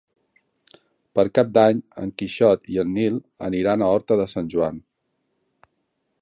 Per Cap d'Any en Quixot i en Nil aniran a Horta de Sant Joan.